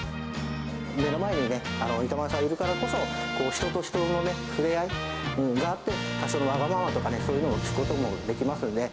目の前に板前さんいるからこそ、人と人との触れ合いがあって、多少のわがままとかね、そういうのを聞くこともできますので。